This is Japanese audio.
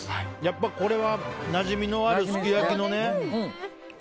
これはなじみのあるすき焼きのね。